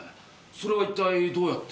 それは一体どうやって。